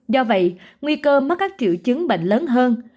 do vậy nguy cơ mắc các triệu chứng bệnh lớn hơn